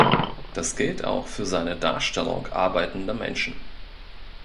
Das gilt auch für seine Darstellung arbeitender Menschen.